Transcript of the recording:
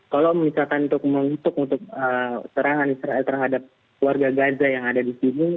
kalau misalkan untuk serangan terhadap warga gaza yang ada di sini